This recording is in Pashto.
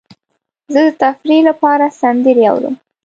زه د تفریح لپاره سندرې اورم.